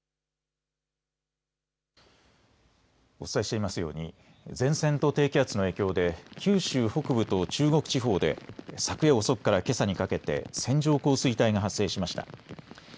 お伝えしていますように前線と低気圧の影響で九州北部と中国地方で昨夜遅くからけさにかけて線状降水帯が発生しました。